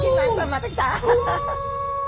また来た！